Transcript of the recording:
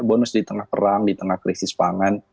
bonus di tengah perang di tengah krisis pangan